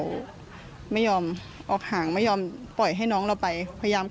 พี่สาวบอกแบบนั้นหลังจากนั้นเลยเตือนน้องตลอดว่าอย่าเข้าในพงษ์นะ